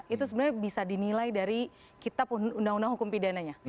itu sebenarnya bisa dinilai dari kitab undang undang hukum pidananya